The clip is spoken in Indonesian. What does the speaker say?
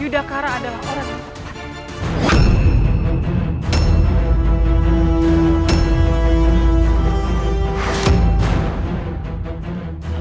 yudhakara adalah orang yang tegas